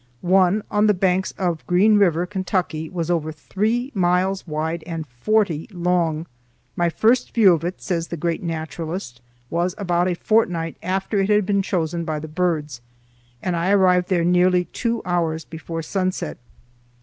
One on the banks of Green River, Kentucky, was over three miles wide and forty long." "My first view of it," says the great naturalist, "was about a fortnight after it had been chosen by the birds, and I arrived there nearly two hours before sunset.